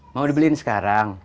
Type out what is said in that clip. mau dibeliin sekarang